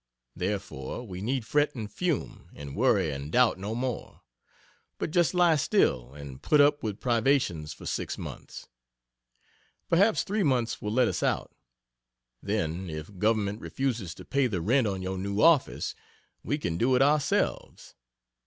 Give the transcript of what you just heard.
Therefore, we need fret and fume, and worry and doubt no more, but just lie still and put up with privations for six months. Perhaps three months will "let us out." Then, if Government refuses to pay the rent on your new office we can do it ourselves.